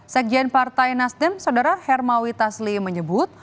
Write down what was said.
sekjen partai nasdem saudara hermawi tasli menyebut